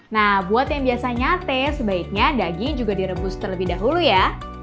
nah buat yang biasa nyate sebaiknya daging juga direbus terlebih dahulu ya